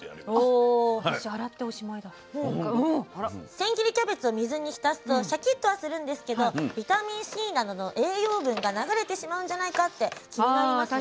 千切りキャベツを水に浸すとシャキッとはするんですけどビタミンＣなどの栄養分が流れてしまうんじゃないかって気になりますよね。